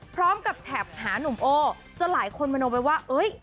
พร้อมกับแท็บหานุ่มโอจนหลายคนมโนไปว่าเอ้ย